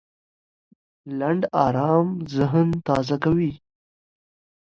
لنډ ارام ذهن تازه کوي.